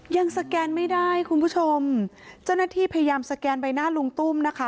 สแกนไม่ได้คุณผู้ชมเจ้าหน้าที่พยายามสแกนใบหน้าลุงตุ้มนะคะ